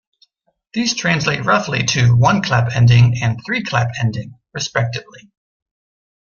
These translate roughly to "one-clap ending" and "three-clap ending", respectively.